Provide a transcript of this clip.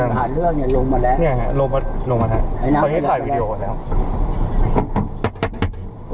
นี่ฮะลงมาลงมาฮะเขาเนี้ยถ่ายวีดีโอก่อนแล้ว